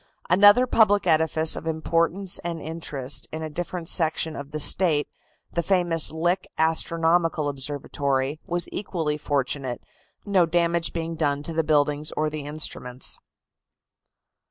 Another public edifice of importance and interest, in a different section of the State, the famous Lick Astronomical Observatory, was equally fortunate, no damage being done to the buildings or the instruments.